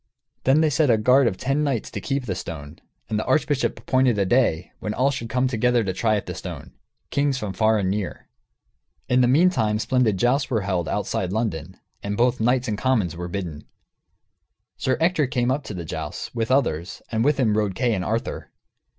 Then they set a guard of ten knights to keep the stone, and the archbishop appointed a day when all should come together to try at the stone, kings from far and near. In the meantime, splendid jousts were held, outside London, and both knights and commons were bidden. Sir Ector came up to the jousts, with others, and with him rode Kay and Arthur.